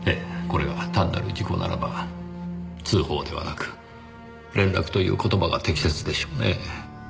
これが単なる事故ならば通報ではなく連絡という言葉が適切でしょうねぇ。